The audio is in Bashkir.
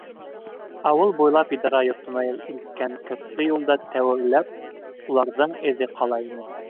Ауыл буйлап идара йортона илткән көртлө юлда тәүләп уларҙың эҙе ҡала ине.